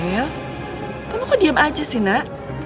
daniel kamu kok diem aja sih nak